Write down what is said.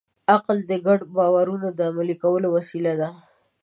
عقل د ګډو باورونو د عملي کولو وسیله ده.